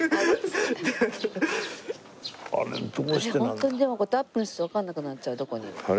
ホントにでもアップにするとわかんなくなっちゃうどこにいるか。